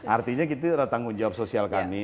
artinya itu adalah tanggung jawab sosial kami